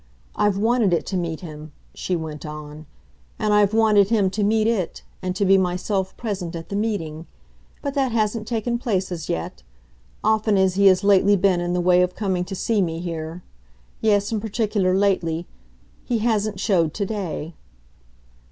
I've wanted it to meet him," she went on, "and I've wanted him to meet it, and to be myself present at the meeting. But that hasn't taken place as yet; often as he has lately been in the way of coming to see me here yes, in particular lately he hasn't showed to day."